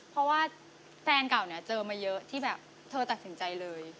เพราะว่าแฟนเก่าเนี่ยเจอมาเยอะที่แบบเธอตัดสินใจเลย